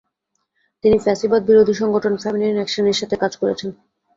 তিনি ফ্যাসিবাদ বিরোধী সংগঠন "ফেমিনিন অ্যাকশন" এর সাথে কাজ করেছেন।